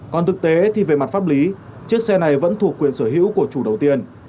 còn thực tế thì về mặt pháp lý chiếc xe này vẫn thuộc quyền sở hữu của chủ đầu tiên